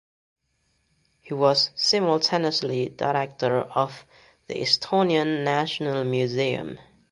He was simultaneously Director of the Estonian National Museum.